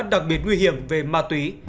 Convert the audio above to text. đặc biệt nguy hiểm về ma túy